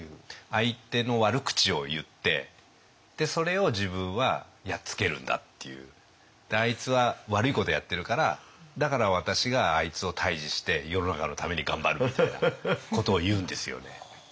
相手の悪口を言ってそれを自分はやっつけるんだっていうあいつは悪いことやってるからだから私があいつを退治して世の中のために頑張るみたいなことを言うんですよね。